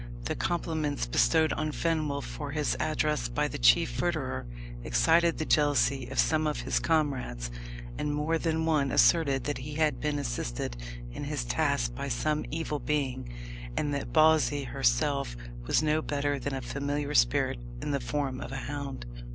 The compliments bestowed on Fenwolf for his address by the chief verderer excited the jealousy of some of his comrades, and more than one asserted that he had been assisted in his task by some evil being, and that Bawsey herself was no better than a familiar spirit in the form of a hound.